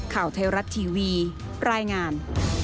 ข่าวไทยรัฐทีวีรายงาน